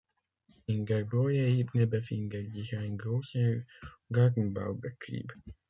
In der Broyeebene befindet sich ein grosser Gartenbaubetrieb.